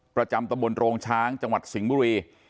ประจำตะบนโรงช้างจังหวัดสิงห์บุรี